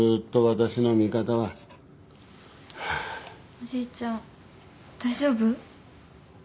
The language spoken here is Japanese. おじいちゃん大丈夫？